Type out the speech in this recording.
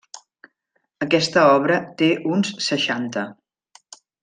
Aquesta obra té uns seixanta.